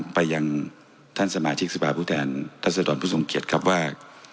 ไปยังท่านสมาชิกสภาพภูมิแทนทัศน์สะดอนผู้สงเกียจครับว่า